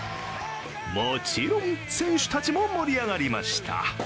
もちろん選手たちも盛り上がりました。